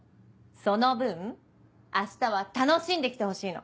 その分明日は楽しんで来てほしいの。